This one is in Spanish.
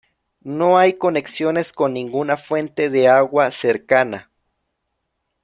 No hay conexiones con ninguna fuente de agua cercana.